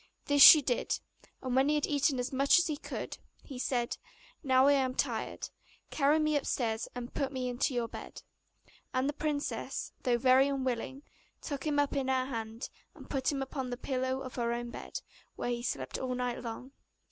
This she did, and when he had eaten as much as he could, he said, 'Now I am tired; carry me upstairs, and put me into your bed.' And the princess, though very unwilling, took him up in her hand, and put him upon the pillow of her own bed, where he slept all night long.